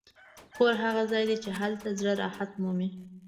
کور هغه ځای دی چې هلته زړه راحت مومي.